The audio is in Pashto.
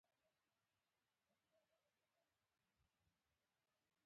د هلمند په موسی قلعه کې څه شی شته؟